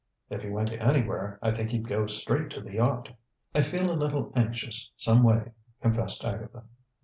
"If he went anywhere, I think he'd go straight to the yacht." "I feel a little anxious, someway," confessed Agatha.